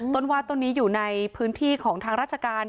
วาดต้นนี้อยู่ในพื้นที่ของทางราชการ